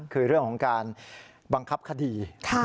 คือเรื่องของการบังคับคดี